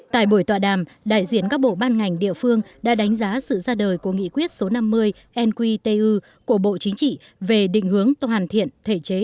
tại buổi tọa đàm đại diện các bộ ban ngành địa phương đã đánh giá sự ra đời của nghị quyết số năm mươi nqtu của bộ chính trị về định hướng hoàn thiện thể chế